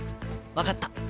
分かった。